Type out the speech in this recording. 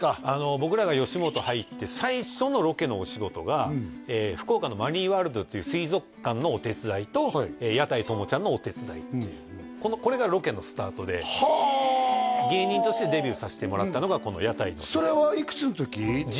僕らが吉本入って最初のロケのお仕事が福岡のマリンワールドっていう水族館のお手伝いと屋台ともちゃんのお手伝いというこれがロケのスタートではあ芸人としてデビューさせてもらったのがこの屋台それはいくつの時？